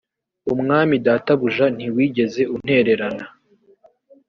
umwami databuja ntiwigeze untererana